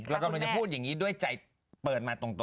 เรากำลังจะพูดอย่างนี้ด้วยใจเปิดมาตรง